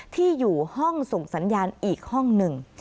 ที่อยู่ห้องส่งสัญญาณอีกห้องหนึ่ง